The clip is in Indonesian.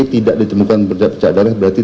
tidak ditemukan percak percak darah berarti